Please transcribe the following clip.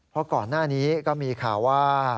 เพราะก่อนหน้านี้ก็มีข่าวว่า